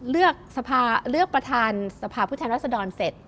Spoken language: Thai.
เลือกประธานสภาพุทธรรษฎรเสร็จ